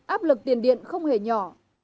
áp lực tiền điện không hề nhỏ